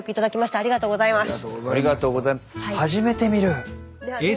ありがとうございます。